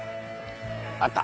あった。